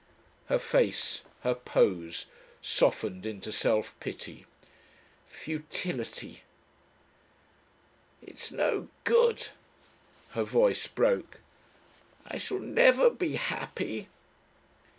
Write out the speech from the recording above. Her face, her pose, softened into self pity. "Futility ... "It's no good...." Her voice broke. "I shall never be happy...."